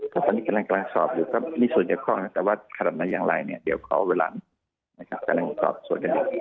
ครับตอนนี้กำลังกำลังสอบอยู่ครับนี่ส่วนเกี่ยวข้องนะครับว่าขนาดนั้นอย่างไรเนี่ยเดี๋ยวขอเวลานะครับกำลังสอบส่วนอย่างไร